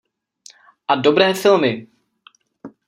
A dobré filmy!